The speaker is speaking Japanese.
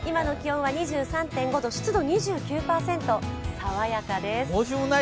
今の気温は２３．６度、湿度２９％、爽やかです。